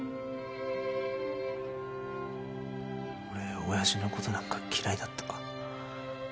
俺親父の事なんか嫌いだった。